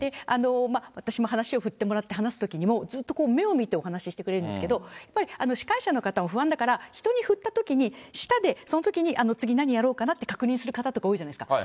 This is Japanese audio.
私も話を振ってもらって、話すときにも、ずっと目を見てお話ししてくれるんですけれども、やっぱり司会者の方も不安だから、人に振ったときに、下でそのときに次、何やろうかな？って、確認する方、多いじゃないですか。